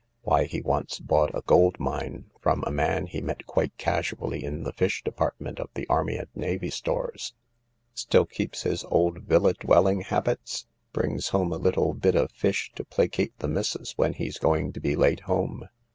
Why, he once bought a gold mine from a man he met quite casually in the fish department of the Army and Navy Stores." " Still keeps his old villa dwelling habits'? Brings home a little bit of fish to placate the missus when he's going to be late home.